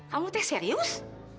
kamu teh serius